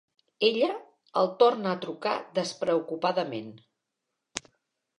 Ella el torna a trucar despreocupadament.